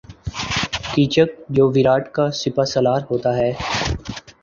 کیچک جو ویراٹ کا سپاہ سالار ہوتا ہے